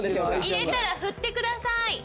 入れたら振ってください。